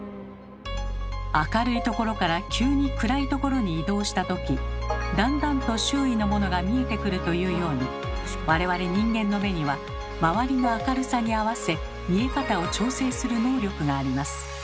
明るい所から急に暗い所に移動したときだんだんと周囲のものが見えてくるというように我々人間の目には周りの明るさに合わせ見え方を調整する能力があります。